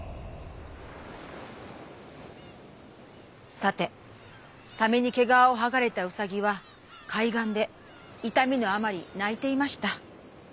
「さてサメに毛がわをはがれたうさぎは海岸でいたみのあまりないていました。